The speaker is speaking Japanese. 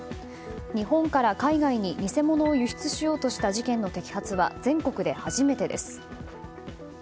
日本から海外に偽物を輸出しようとした事件の摘発は、全国で初めてです。